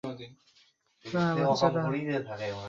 না, বাচ্চারা।